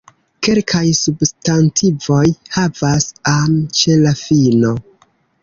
Kelkaj substantivoj havas "-am" ĉe la fino.